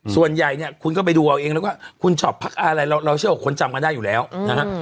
ส่วนใหญ่เนี่ยคุณก็ไปดูเอาเองแล้วว่าคุณชอบพักอะไรเราเชื่อว่าคนจำกันได้อยู่แล้วนะฮะ